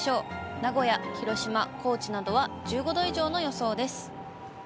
名古屋、広島、高知などは１５度以上の予想です。